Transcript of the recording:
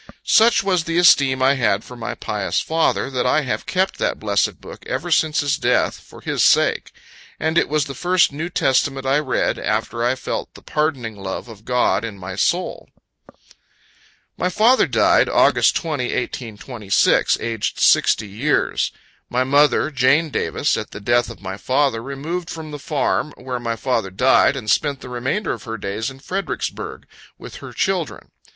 Such was the esteem I had for my pious father, that I have kept that blessed book ever since his death, for his sake; and it was the first New Testament I read, after I felt the pardoning love of God in my soul. My father died, August 20, 1826, aged 60 years. My mother, Jane Davis, at the death of my father, removed from the farm, where my father died, and spent the remainder of her days in Fredericksburg, with her children.